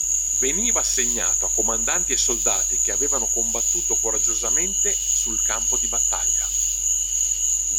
Veniva assegnato a comandanti e soldati che avevano combattuto coraggiosamente sul campo di battaglia.